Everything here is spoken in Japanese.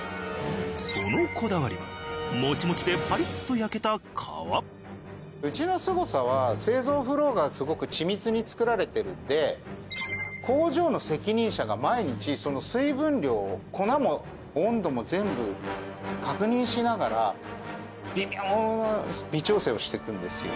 そのこだわりはモチモチでパリッと焼けた皮。に作られているので工場の責任者が毎日その水分量を粉も温度も全部確認しながら微妙に微調整をしていくんですよ。